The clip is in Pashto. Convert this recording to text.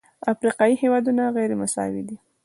افریقایي هېوادونه غیرمساوي دي.